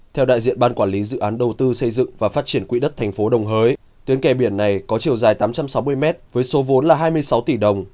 theo đại diện ban quản lý dự án đầu tư xây dựng và phát triển quỹ đất tp đồng hới tuyến kè biển này có chiều dài tám trăm sáu mươi mét với số vốn là hai mươi sáu tỷ đồng